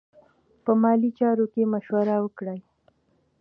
په مالي چارو کې مشوره وکړئ.